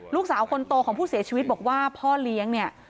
ลูกสาวคนโตของผู้เสียชีวิตบอกว่าพ่อเลี้ยงเนี่ย